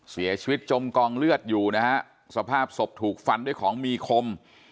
จมกองเลือดอยู่นะฮะสภาพศพถูกฟันด้วยของมีคม